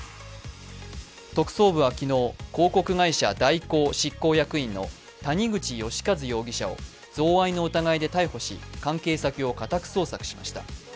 特捜部は昨日、広告会社・大広執行役員の谷口義一容疑者を贈賄の疑いで逮捕し、関係先を家宅捜索しました。